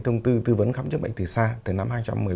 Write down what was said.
thông tư tư vấn khám chức bệnh từ xa từ năm hai nghìn một mươi bảy